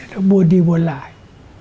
nó buôn đi buôn lại